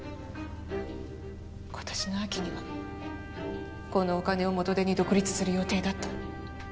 今年の秋にはこのお金を元手に独立する予定だった。